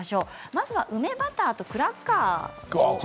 まずは梅バターとクラッカー。